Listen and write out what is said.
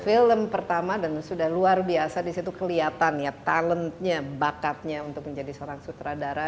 film pertama dan sudah luar biasa disitu kelihatan ya talentnya bakatnya untuk menjadi seorang sutradara